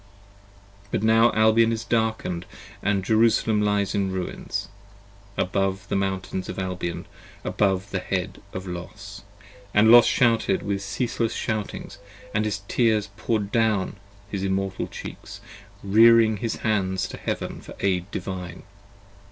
But now Albion is darkened & Jerusalem lies in ruins: 55 Above the Mountains of Albion, above the head of Los. And Los shouted with ceaseless shoutings, & his tears poured down His immortal cheeks, rearing his hands to heaven for aid Divine!